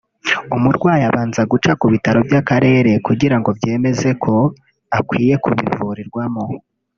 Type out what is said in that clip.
umurwayi abanza guca ku bitaro by’akarere kugirango byemeze ko akwiye kubivurirwamo